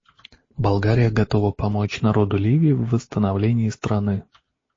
Болгария готова помочь народу Ливии в восстановлении страны.